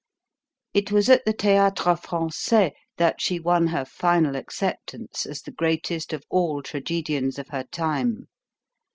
It was at the Theatre Francais that she won her final acceptance as the greatest of all tragedians of her time.